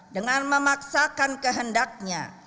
dengan memaksakan kehendaknya